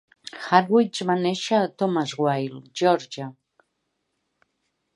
Hardwick va néixer a Thomasville, Geòrgia.